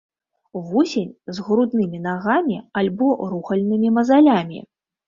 Вусень з груднымі нагамі альбо рухальнымі мазалямі.